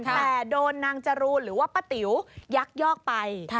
แต่โดนนางจรูนหรือว่าป้าติ๋วยักยอกไป